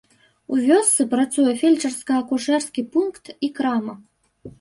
У вёсцы працуе фельчарска-акушэрскі пункт і крама.